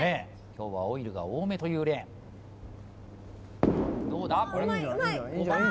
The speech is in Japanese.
今日はオイルが多めというレーンどうだ５番ピン